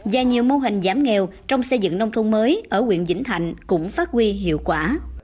và nhiều mô hình giảm nghèo trong xây dựng nông thôn mới ở quyện vĩnh thạnh cũng phát huy hiệu quả